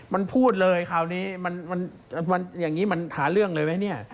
มันพูดเลยคราวนี้มันอย่างนี้มันหาเรื่องเลยไหมเนี่ย